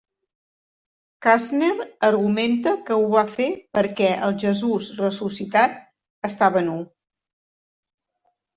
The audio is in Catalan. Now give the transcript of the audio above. Kastner argumenta que ho va fer perquè el Jesús ressuscitat estava nu.